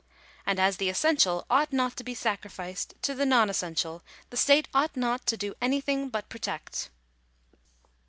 And as the essential ought not to be sacrificed to the non essential, the state ought not to do any thing but protect.